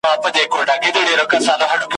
بیا به کله را پخلا سي مرور له کوره تللی !.